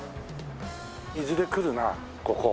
いずれ来るなここ。